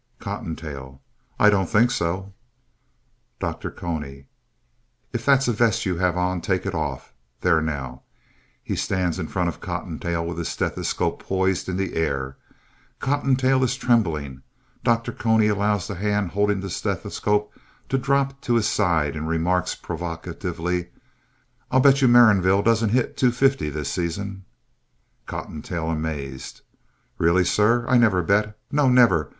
COTTONTAIL I don't think so. DR. CONY If that's a vest you have on, take it off. There, now. (_He stands in front of Cottontail with his stethoscope poised in the air. Cottontail is trembling. Dr. Cony allows the hand holding the stethoscope to drop to his side and remarks provocatively_), I'll bet you Maranville doesn't hit .250 this season. COTTONTAIL (amazed) Really, sir, I never bet. No, never.